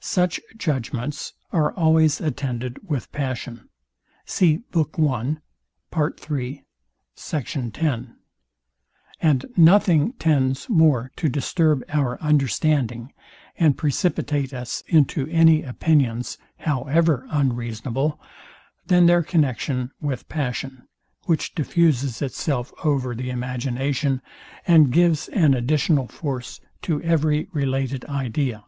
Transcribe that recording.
Such judgments are always attended with passion; and nothing tends more to disturb our understanding, and precipitate us into any opinions, however unreasonable, than their connexion with passion; which diffuses itself over the imagination, and gives an additional force to every related idea.